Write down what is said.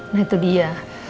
nah itu dia